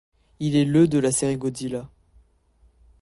Il est le de la série Godzilla.